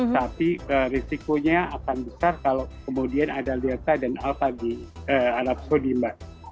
tapi risikonya akan besar kalau kemudian ada lirta dan alfa di arab sudimba